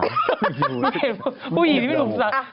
ไม่เห็นผู้หญิงที่พี่หนุ่มศึกษา